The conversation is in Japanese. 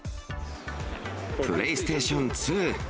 プレイステーション２。